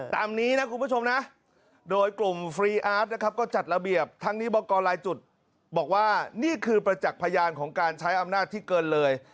ตามนี้นะคุณผู้ชมนะโดยกลุ่มฟรีอาร์ตนะครับก็จัดระเบียบทั้งนี้บอกกรลายจุดบอกว่านี่คือประจักษ์พยานของการใช้อำนาจที่เกินเลย